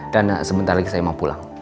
dan sebentar lagi saya mau pulang